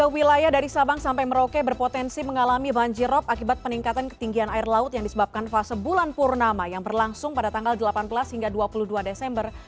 tiga wilayah dari sabang sampai merauke berpotensi mengalami banjirop akibat peningkatan ketinggian air laut yang disebabkan fase bulan purnama yang berlangsung pada tanggal delapan belas hingga dua puluh dua desember